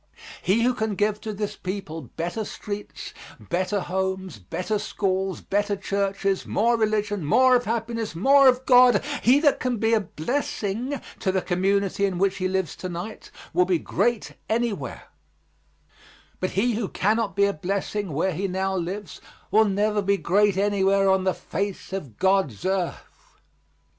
He who can give to this people better streets, better homes, better schools, better churches, more religion, more of happiness, more of God, he that can be a blessing to the community in which he lives to night will be great anywhere, but he who cannot be a blessing where he now lives will never be great anywhere on the face of God's earth.